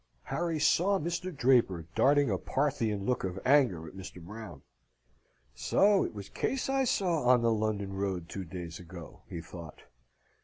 Harry saw Mr. Draper darting a Parthian look of anger at Mr. Brown. "So it was Case I saw on the London Road two days ago," he thought.